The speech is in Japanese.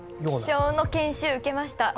気象の研修受けました。